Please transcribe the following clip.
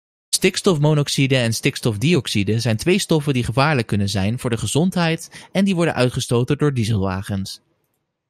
Stikstofmonoxide en stikstofdioxide zijn twee stoffen die gevaarlijk kunnen zijn voor de gezondheid en die worden uitgestoten door dieselwagens.